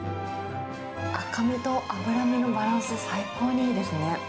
赤身と脂身のバランス、最高にいいですね。